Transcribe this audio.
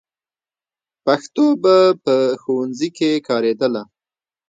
پښتو به په ښوونځي کې کارېدله.